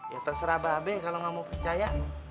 ya terserah be kalo gak mau percaya